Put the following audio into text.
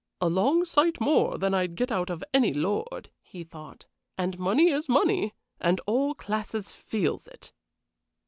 "A long sight more than I'd get out of any lord," he thought. "And money is money. And all classes feels it."